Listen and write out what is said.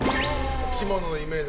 お着物のイメージ